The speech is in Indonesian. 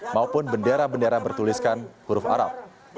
maupun bendera bendera bertuliskan huruf arab